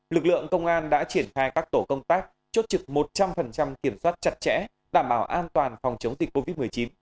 lực lượng công an đã triển khai các tổ công tác chốt trực một trăm linh kiểm soát chặt chẽ đảm bảo an toàn phòng chống dịch covid một mươi chín